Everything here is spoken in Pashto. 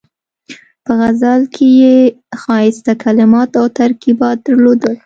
په غزل کې یې ښایسته کلمات او ترکیبات درلودل.